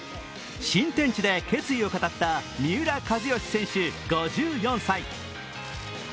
新天地で決意を語った三浦知良選手、５４歳。